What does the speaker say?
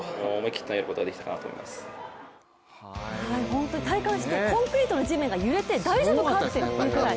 本当に体感してコンクリートの地面が揺れて大丈夫か？っていうぐらい。